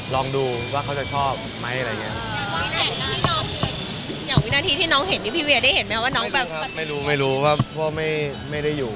ลองดูว่าเขาจะชอบมั้ย